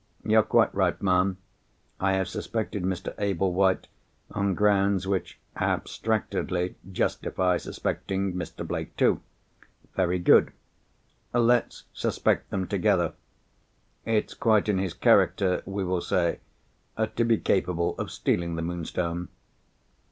You're quite right, ma'am. I have suspected Mr. Ablewhite, on grounds which abstractedly justify suspecting Mr. Blake too. Very good—let's suspect them together. It's quite in his character, we will say, to be capable of stealing the Moonstone.